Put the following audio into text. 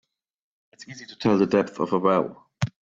It's easy to tell the depth of a well.